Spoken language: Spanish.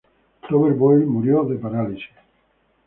Robert Boyle murió de parálisis.